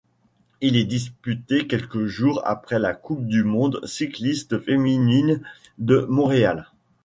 Il est disputé quelques jours après La Coupe du Monde Cycliste Féminine de Montréal.